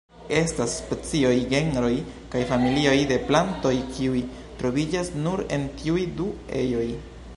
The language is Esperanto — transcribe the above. Estas specioj, genroj, kaj familioj de plantoj kiuj troviĝas nur en tiuj du ejoj.